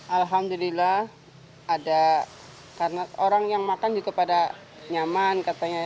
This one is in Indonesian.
alhamdulillah ada karena orang yang makan juga pada nyaman katanya